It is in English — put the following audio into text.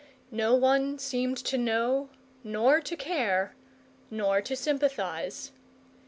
No one seemed to know, nor to care, nor to sympathise.